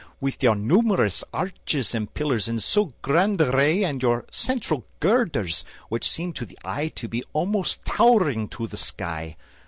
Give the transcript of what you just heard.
With your numerous arches and pillars in so grand array And your central girders, which seem to the eye To be almost towering to the sky.